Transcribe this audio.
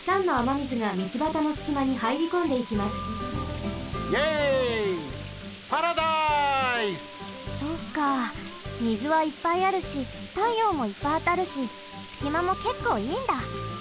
みずはいっぱいあるしたいようもいっぱいあたるしすきまもけっこういいんだ。